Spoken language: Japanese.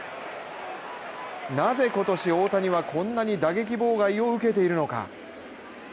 なぜ今年、大谷はこんなに打撃妨害を受けているのか。